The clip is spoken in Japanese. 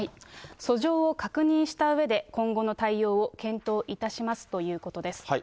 訴状を確認したうえで、今後の対応を検討いたしますということです。